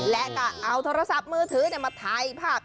และก็เอาโทรศัพท์มือถือมาถ่ายภาพ